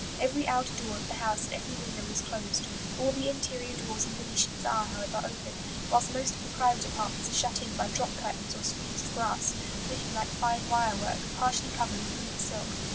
Every outer door of the house and every window is closed; all the interior doors and venetians are, however, open, whilst most of the private apartments are shut in by drop curtains or screens of grass, looking like fine wire work, partially covered with green silk.